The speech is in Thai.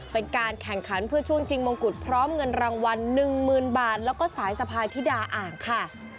เป็นการแข่งขันเพื่อช่วงชิงมงกุฎพร้อมเงินรางวัล๑๐๐๐บาทแล้วก็สายสะพายธิดาอ่างค่ะ